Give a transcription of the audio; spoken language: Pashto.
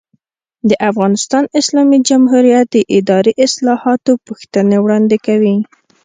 د افغانستان اسلامي جمهوریت د اداري اصلاحاتو پوښتنې وړاندې کوي.